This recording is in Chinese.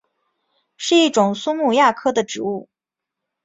是一种苏木亚科的植物。